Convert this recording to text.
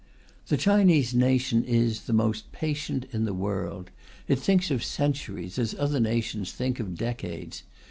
The Chinese nation, is the most, patient in the world; it thinks of centuries as other nations think of decades.